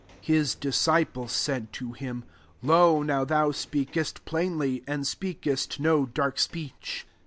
29 His disciples said to him, " Lo, now thou speakest plain ly, and speakest no dark speech.